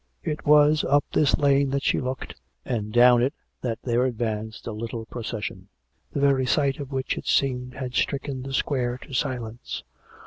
It was up this lane that she looked, and down it that there advanced a little procession, the very sight of which, it seemed, had stricken the square to silence.